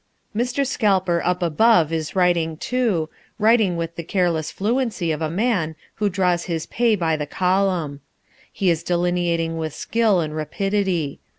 Mr. Scalper up above is writing too, writing with the careless fluency of a man who draws his pay by the column. He is delineating with skill and rapidity.